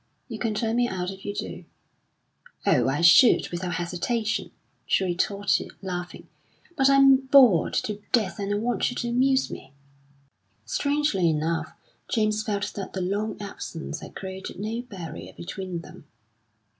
"You can turn me out if you do." "Oh, I should without hesitation," she retorted, laughing; "but I'm bored to death, and I want you to amuse me." Strangely enough, James felt that the long absence had created no barrier between them.